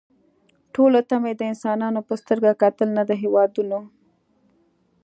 ټولو ته مې د انسانانو په سترګه کتل نه د هېوادونو